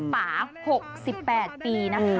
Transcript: หกสิบแปดปีนะคะ